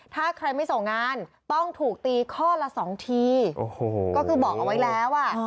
ถ้าใครไม่ส่งงานต้องถูกตีข้อละสองทีโอ้โหก็คือบอกเอาไว้แล้วอ่ะ